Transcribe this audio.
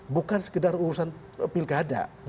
bukan sekedar urusan pilkada